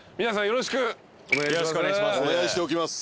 よろしくお願いします。